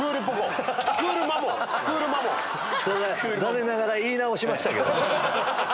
残念ながら言い直しましたけど。